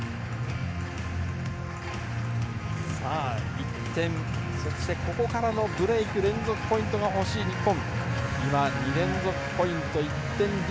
１点、そしてここからのブレーク連続ポイントが欲しい日本。